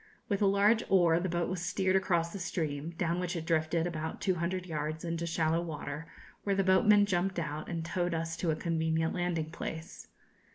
With a large oar the boat was steered across the stream, down which it drifted about 200 yards into shallow water, where the boatmen jumped out and towed us to a convenient landing place.